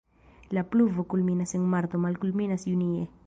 La pluvo kulminas en marto, malkulminas junie.